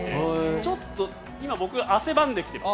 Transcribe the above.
ちょっと今、僕汗ばんできてます。